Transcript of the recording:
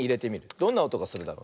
どんなおとがするだろう。